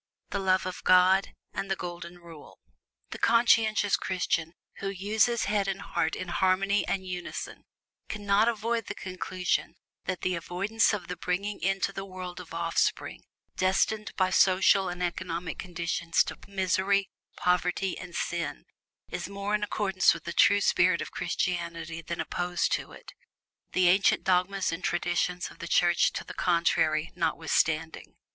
(1) the love of God; and (2) the Golden Rule. The conscientious Christian who uses head and heart in harmony and unison, cannot avoid the conclusion that the avoidance of the bringing into the world of offspring destined by social and economic conditions to misery, poverty, and sin, is more in accordance with the true spirit of Christianity than opposed to it the ancient dogmas and traditions of the Church to the contrary notwithstanding.